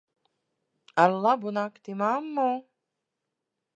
Ar labu nakti, mammu.